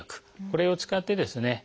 これを使ってですね